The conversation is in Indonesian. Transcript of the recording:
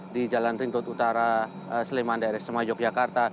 di jalan ring road utara sleman daerah sema yogyakarta